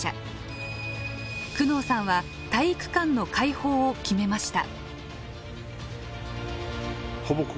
久能さんは体育館の開放を決めました。